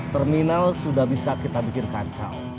terminal sudah bisa kita bikin kacau